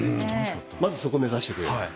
まずそこを目指してください。